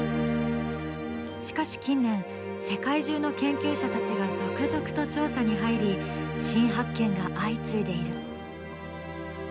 しかし近年世界中の研究者たちが続々と調査に入り新発見が相次いでいる。